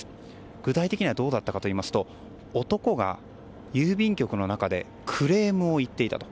具体的にはどうだったかといいますと男が郵便局の中でクレームを言っていたと。